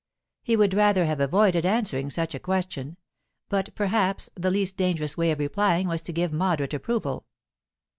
He would rather have avoided answering such a question; but perhaps the least dangerous way of replying was to give moderate approval.